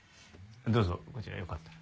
どうぞこちらよかったら。